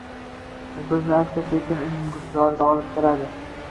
U bizni asta-sekin ilm gulzoriga olib kiradi.